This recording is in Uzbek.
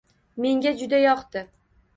Menga juda yoqti.